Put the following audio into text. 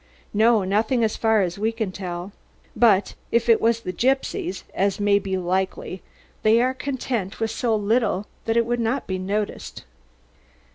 "No, nothing as far as we can tell yet. But if it was the gypsies as may be likely they are content with so little that it would not be noticed."